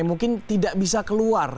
mungkin tidak bisa keluar